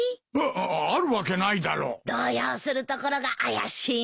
ああるわけないだろう！動揺するところが怪しいな。